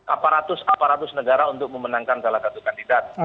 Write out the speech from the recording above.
aparatus aparatus negara untuk memenangkan salah satu kandidat